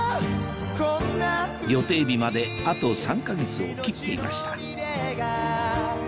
予定日まであと３か月を切っていました